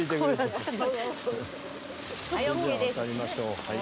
渡りましょうはい。